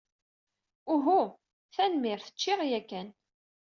Uhu, tanemmirt. Ččiɣ ya kan.